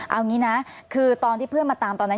เอางี้นะคือตอนที่เพื่อนมาตามตอนนั้น